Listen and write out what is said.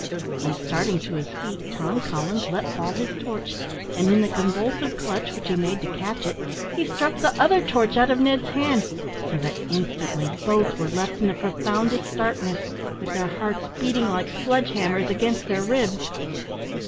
In starting to his feet, Tom Collins let fall his torch, and in the convulsive clutch which he made to catch it, he struck the other torch out of Ned's hand, so that instantly both were left in the profoundest darkness, with their hearts beating like sledge hammers against their ribs.